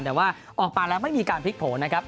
แต่ว่าออกมาแล้วไม่มีการพลิกโผล่นะครับ